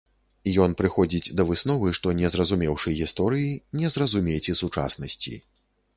Ён прыходзіць да высновы, што не зразумеўшы гісторыі, не зразумець і сучаснасці.